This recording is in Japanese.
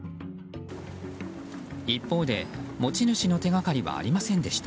一方で、持ち主の手掛かりはありませんでした。